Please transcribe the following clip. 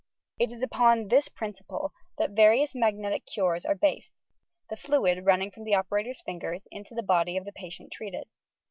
It is upon this principle that the various magnetic cures are based, — the fluid running from the operators' fingers into the body of the patient treated.